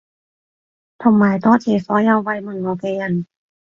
同埋多謝所有慰問我嘅人